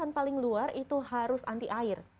lapisan paling luas itu harus anti air